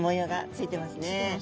ついてます。